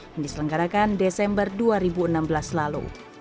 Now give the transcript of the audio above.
yang diselenggarakan desember dua ribu enam belas lalu